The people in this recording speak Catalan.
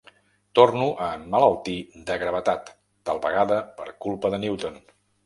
Torno a emmalaltir de gravetat, tal vegada per culpa de Newton.